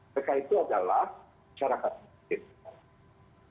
mereka itu adalah masyarakat